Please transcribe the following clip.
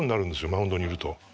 マウンドにいると。